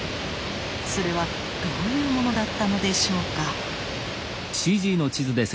それはどういうものだったのでしょうか？